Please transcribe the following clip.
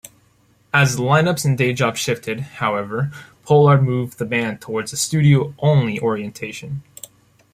As lineups and day-jobs shifted, however, Pollard moved the band towards a studio-only orientation.